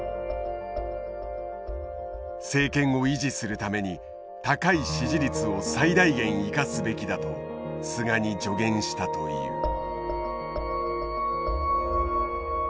政権を維持するために高い支持率を最大限生かすべきだと菅に助言したという。